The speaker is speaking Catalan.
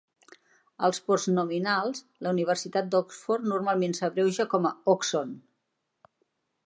Als postnominals, la "Universitat d'Oxford" normalment s'abreuja com a "Oxon".